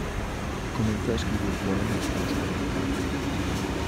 Comenzó a escribir poemas a los cuarenta años.